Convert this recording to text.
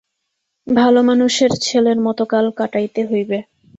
ভালোমানুষের ছেলের মতো কাল কাটাইতে হইবে।